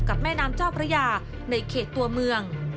แม่น้ำเจ้าพระยาในเขตตัวเมือง